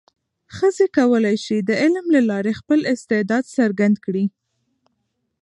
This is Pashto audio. ښځې کولای شي د علم له لارې خپل استعداد څرګند کړي.